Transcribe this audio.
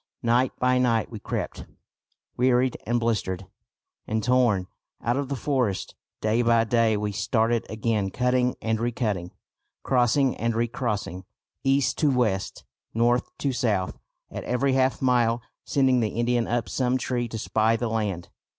Night by night we crept, wearied and blistered and torn, out of the forest. Day by day we started again cutting and recutting, crossing and recrossing, east to west, north to south, at every half mile sending the Indian up some tree to spy the land.